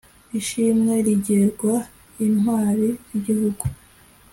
Ishimwe rigenerwa Intwari zigihugu